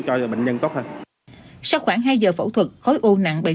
thì cái khả năng tái phát nếu mà xét về mặt lúc phẫu thuật thì nó rất là ít